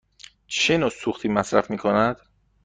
چه نوع سوختی مصرف می کند؟